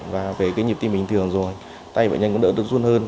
và về cái nhịp tim bình thường rồi tay bệnh nhân cũng đỡ được run hơn